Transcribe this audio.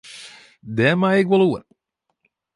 Dêr mei ik wol oer.